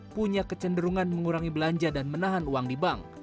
punya kecenderungan mengurangi belanja dan menahan uang di bank